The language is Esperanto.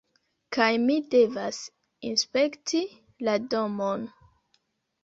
kaj mi devas inspekti la domon.